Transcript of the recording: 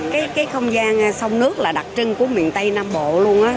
cái không gian sông nước là đặc trưng của miền tây nam bộ luôn